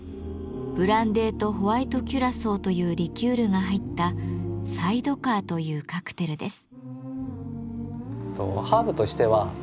ブランデーとホワイトキュラソーというリキュールが入った「サイドカー」というカクテルです。